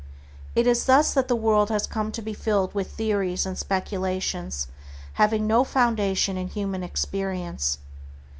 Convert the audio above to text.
It is thus that the world has come to be filled with theories and speculations having no foundation in human experience.